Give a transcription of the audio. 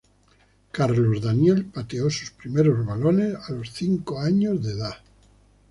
Carlos Daniel pateó sus primeros balones a los cinco años de edad.